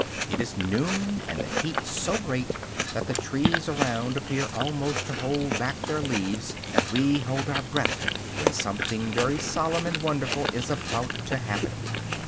It is noon, and the heat so great that the trees around appear almost to hold back their leaves, as we hold our breath when something very solemn and wonderful is about to happen.